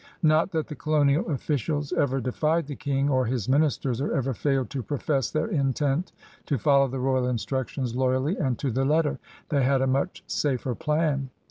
Not that the colonial officials ever defied the King or his ministers, or ever failed to profess their intent to follow the royal instructions loyally and to the letter. They had a much safer plan.